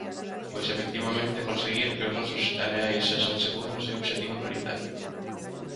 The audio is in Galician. Pois efectivamente, conseguir que os nosos areais sexan seguros é o obxectivo prioritario.